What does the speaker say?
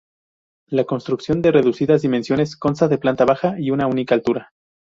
La construcción, de reducidas dimensiones, consta de planta baja y una única altura.